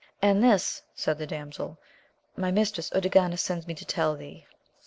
And this, said the damsel, my mistress JJrganda sends me to tell thee.